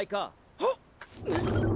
あっ。